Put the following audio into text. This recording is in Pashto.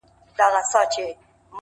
• مخ که مي کعبې, که بتخاتې ته اړولی دی,